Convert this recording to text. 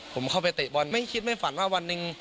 ผมเข้าไปเตะบอลไม่คิดไม่ฝันว่าวันหนึ่ง